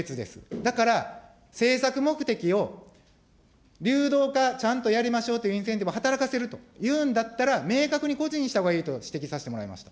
だから、政策目的を流動化ちゃんとやりましょうというインセンティブを働かせるというんだったら、明確に個人にしたほうがいいと指摘させてもらいました。